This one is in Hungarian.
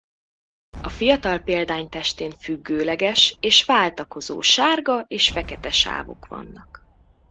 A fiatal példány testén függőleges és váltakozó sárga és fekete sávok vannak.